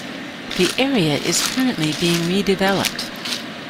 The area is currently being redeveloped.